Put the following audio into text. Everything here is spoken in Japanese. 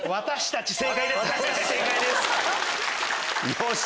よし！